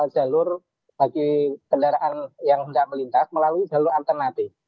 jalur bagi kendaraan yang hendak melintas melalui jalur alternatif